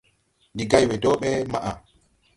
Ndi gay we dɔɔ ɓɛ maʼa.